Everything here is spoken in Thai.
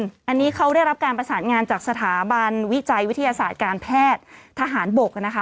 อันนี้เขาได้รับการประสานงานจากสถาบันวิจัยวิทยาศาสตร์การแพทย์ทหารบกนะคะ